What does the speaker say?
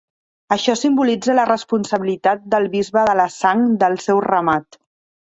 Això simbolitza la responsabilitat del bisbe de la sang del seu ramat.